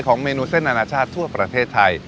เมนูเส้นอนาชาติทั่วประเทศไทย